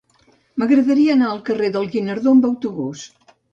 M'agradaria anar al carrer del Guinardó amb autobús.